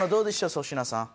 粗品さん。